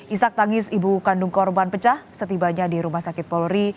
isak tangis ibu kandung korban pecah setibanya di rumah sakit polri